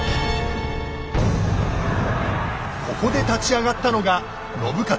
ここで立ち上がったのが信雄です。